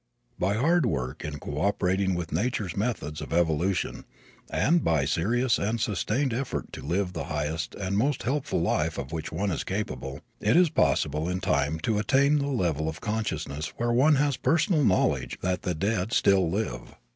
By hard work in co operating with nature's methods of evolution and by a serious and sustained effort to live the highest and most helpful life of which one is capable, it is possible in time to attain a level of consciousness where one has personal knowledge that the dead still live.